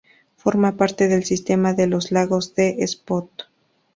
Forma parte del sistema del los lagos de Espot.